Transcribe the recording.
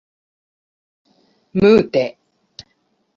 mute